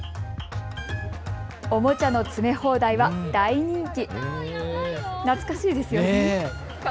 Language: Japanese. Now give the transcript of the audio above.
おもちゃの詰め放題は大人気。